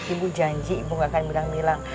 ibu janji ibu gak akan bilang milang